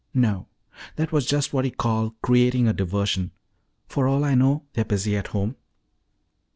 "No. That was just what you call creating a diversion. For all I know, they're busy at home."